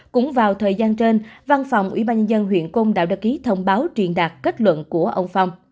cũng vào thời gian trên văn phòng ubnd huyện côn đạo đã ký thông báo truyền đạt kết luận của ông phong